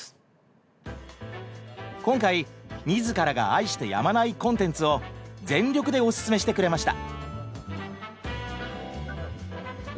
今回自らが愛してやまないコンテンツを全力でおススメしてくれました。